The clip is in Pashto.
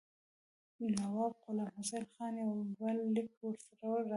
نواب غلام حسین خان یو بل لیک ورسره راوړ.